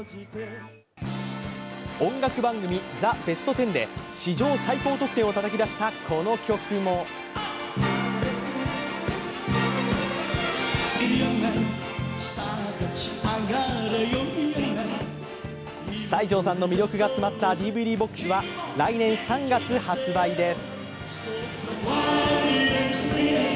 音楽番組「ザ・ベストテン」で史上最高得点をたたき出したこの曲も西城さんの魅力が詰まったＤＶＤボックスは来年３月発売です。